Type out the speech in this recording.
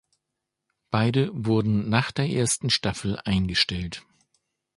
Beide wurden nach der ersten Staffel eingestellt.